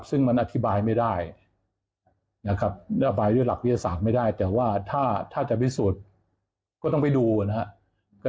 ซึ่งมันอธิบายไม่ได้นะครับนโยบายด้วยหลักวิทยาศาสตร์ไม่ได้แต่ว่าถ้าจะพิสูจน์ก็ต้องไปดูนะครับ